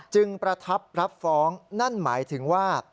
ประทับรับฟ้องนั่นหมายถึงว่า